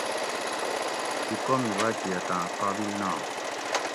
دی کومی باچئِتاۤں قابل نات